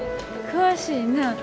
詳しいな。